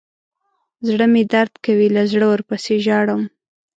زړه مې درد کوي له زړه ورپسې ژاړم.